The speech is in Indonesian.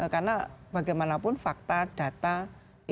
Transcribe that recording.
karena bagaimanapun fakta data itu menjadi hal